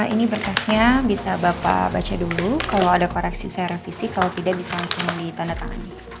ini berkasnya bisa bapak baca dulu kalau ada koreksi saya revisi kalau tidak bisa langsung ditandatangani